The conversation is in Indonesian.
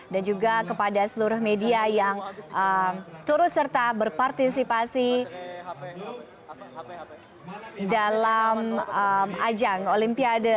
dan juga kepada seluruh media yang turut serta berpartisipasi dalam ajang olimpiade